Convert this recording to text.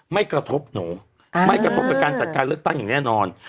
ไม่กระทบหนูไม่กระทบกับการจัดการเลือกตั้งอย่างแน่นอน